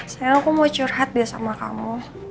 sayang aku mau curhat ya sama kamu